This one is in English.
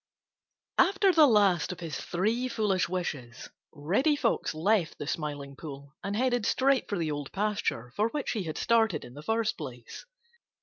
After the last of his three foolish wishes, Reddy Fox left the Smiling Pool and headed straight for the Old Pasture for which he had started in the first place.